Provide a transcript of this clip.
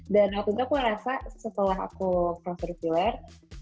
dan waktu itu aku merasa setelah aku prosedur filler